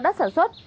đất sản xuất